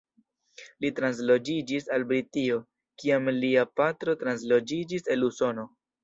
Li transloĝiĝis al Britio, kiam lia patro transloĝiĝis el Usono.